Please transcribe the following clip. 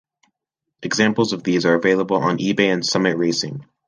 Examples of these are available on eBay and Summit Racing.